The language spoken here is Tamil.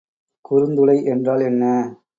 குறுந்துளை என்றால் என்ன?